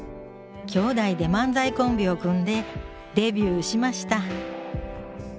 兄弟で漫才コンビを組んでデビューしました。